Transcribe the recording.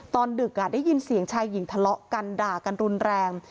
ดึกได้ยินเสียงชายหญิงทะเลาะกันด่ากันรุนแรง